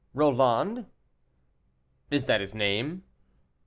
"Roland?" "Is that his name?"